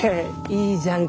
いいじゃん